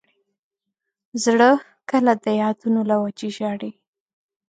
زړه کله د یادونو له وجې ژاړي.